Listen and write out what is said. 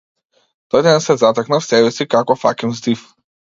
Тој ден се затекнав себе си како фаќам здив.